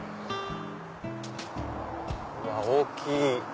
うわっ大きい。